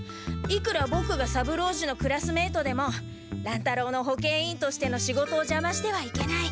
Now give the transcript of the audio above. いくらボクが三郎次のクラスメートでも乱太郎の保健委員としての仕事をじゃましてはいけない。